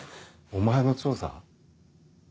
お前の調査？